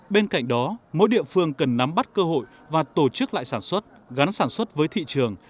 bên cạnh đó mỗi địa phương cần nắm bắt cơ hội và tổ chức lại sản xuất gắn sản xuất với thị trường